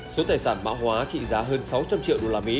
số tài sản mã hóa trị giá hơn sáu trăm linh triệu usd